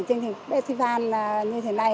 chương trình festival như thế này